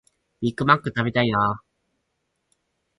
ビッグマック食べたいなあ